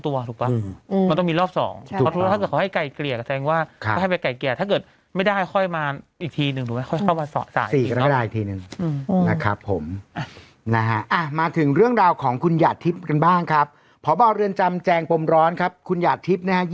แต่คนที่สี่ก็แสดงว่าถ้าเกิดให้ไกลเกลี่ยอีกรอบแสดงว่าวันนี้ไม่ลงตัวถูกป่ะ